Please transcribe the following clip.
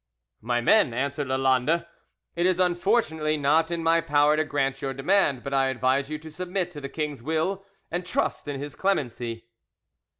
"My men," answered Lalande, "it is unfortunately not in my power to grant your demand, but I advise you to submit to the king's will and trust in his clemency."